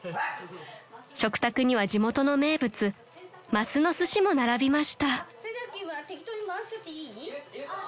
［食卓には地元の名物マスのすしも並びました］